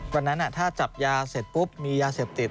วันนั้นถ้าจับยาเสร็จปุ๊บมียาเสพติด